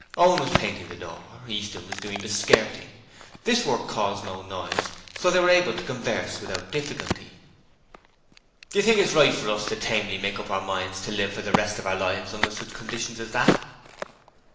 Owen was painting the door; Easton was doing the skirting. This work caused no noise, so they were able to converse without difficulty. 'Do you think it's right for us to tamely make up our minds to live for the rest of our lives under such conditions as that?'